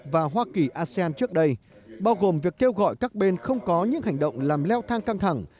và hoa kỳ asean trước đây bao gồm việc kêu gọi các bên không có những hành động làm leo thang căng thẳng